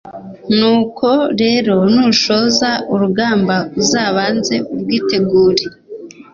nuko rero nushoza urugamba uzabanze urwitegure